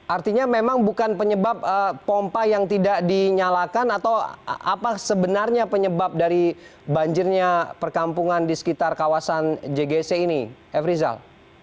artinya memang bukan penyebab pompa yang tidak dinyalakan atau apa sebenarnya penyebab dari banjirnya perkampungan di sekitar kawasan jgc ini f rizal